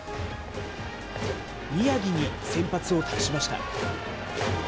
宮城に先発を託しました。